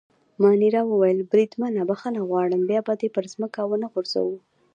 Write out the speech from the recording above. مانیرا وویل: بریدمنه بخښنه غواړم، بیا به دي پر مځکه ونه غورځوو.